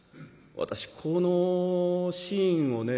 私このシーンをね